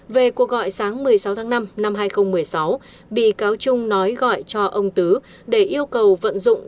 về cuộc gọi sáng một mươi sáu tháng năm năm hai nghìn một mươi sáu bị cáo trung nói gọi cho ông tứ để yêu cầu vận dụng